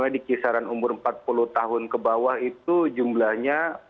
di kisaran umur empat puluh tahun ke bawah itu jumlahnya